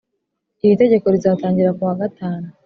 iri tegeko rizatangira kuwa gatanu.